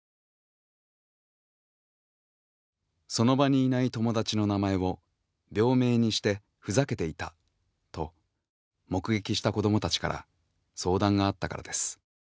その場にいない友達の名前を病名にしてふざけていたと目撃した子どもたちから相談があったからです。